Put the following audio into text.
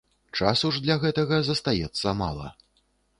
Часу ж для гэтага застаецца мала.